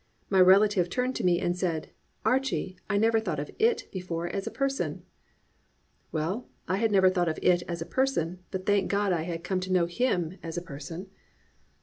My relative turned to me and said, "Archie, I never thought of it before as a person." Well, I had never thought of it as a person, but thank God I had come to know Him as a person.